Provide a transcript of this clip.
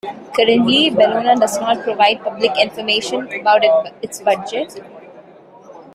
Currently, Bellona does not provide public information about its budget.